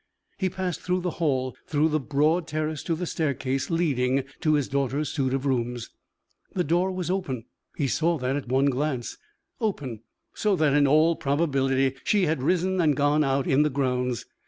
He passed through the hall through the broad terrace to the staircase leading to his daughter's suit of rooms. The door was open he saw that at one glance open, so that in all probability she had risen and gone out in the grounds.